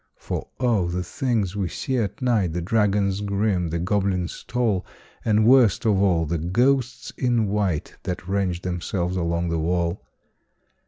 For O! the things we see at night The dragons grim, the goblins tall, And, worst of all, the ghosts in white That range themselves along the wall!